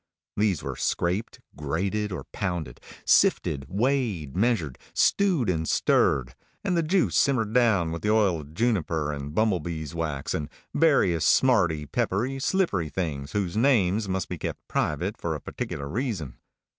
These were scraped, grated, or pounded; sifted, weighed, measured, stewed, and stirred; and the juice simmered down with the oil of juniper, and bumble bees' wax, and various smarty, peppery, slippery things whose names must be kept private for a particular reason.